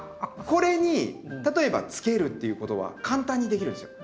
これに例えばつけるっていうことは簡単にできるんですよ。